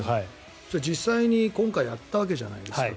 それを実際に今回やったわけじゃないですか。